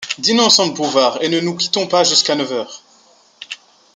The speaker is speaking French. Dînons ensemble, Bouvard, et ne nous quittons pas jusqu’à neuf heures.